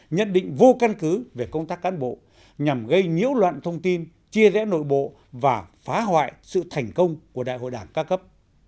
nhận định vô căn cứ về công tác cán bộ nhằm gây nhiễu loạn thông tin chia rẽ nội bộ và phá hoại sự thành công của đại hội đảng ca cấp